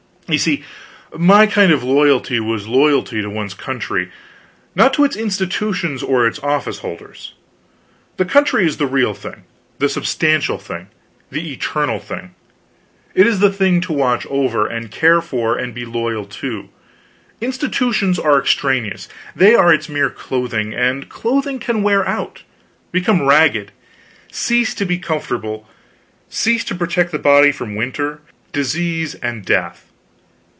You see my kind of loyalty was loyalty to one's country, not to its institutions or its office holders. The country is the real thing, the substantial thing, the eternal thing; it is the thing to watch over, and care for, and be loyal to; institutions are extraneous, they are its mere clothing, and clothing can wear out, become ragged, cease to be comfortable, cease to protect the body from winter, disease, and death.